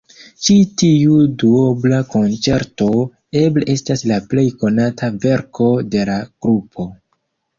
Ĉi tiu duobla konĉerto eble estas la plej konata verko de la grupo.